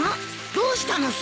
どうしたのさ。